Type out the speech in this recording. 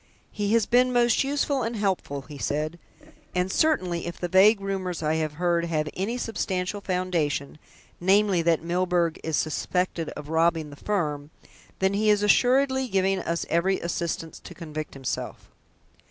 "He has been most useful and helpful," he said. "And certainly, if the vague rumours I have heard have any substantial foundation namely, that Milburgh is suspected of robbing the firm then he is assuredly giving us every assistance to convict himself."